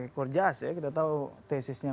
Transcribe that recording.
ekor jas ya kita tahu tesisnya